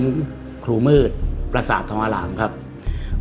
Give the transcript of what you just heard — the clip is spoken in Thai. เครื่องเปล่าทั่วโลกเขาจะต้องเปล่าให้ได้มาตรฐานเสียง